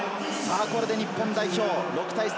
これで日本代表、６対３。